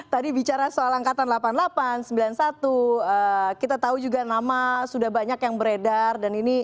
tadi bicara soal angkatan delapan puluh delapan sembilan puluh satu kita tahu juga nama sudah banyak yang beredar dan ini